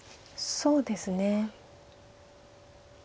そうですね。